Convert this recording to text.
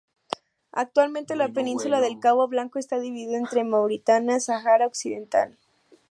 Actualmente la península del cabo Blanco está dividida entre Mauritania y Sahara Occidental.